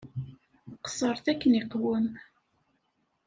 Qeṣṣṛet akken iqwem.